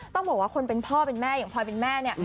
ต้องบอกว่าคนเป็นพ่อเป็นแม่อย่างพลอยเป็นแม่เนี่ย